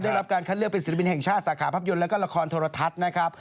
ได้รับการคัดเลือกเป็นศิลปินแห่งชาติสาขาภาพยนตร์แล้วก็ละครโทรทัศน์นะครับ